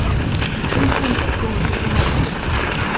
У чым сэнс такога хапуна?